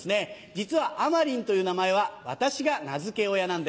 実は「あまりん」という名前は私が名付け親なんです。